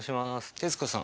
徹子さん